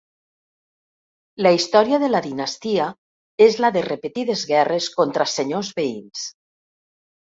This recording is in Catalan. La història de la dinastia és la de repetides guerres contra senyors veïns.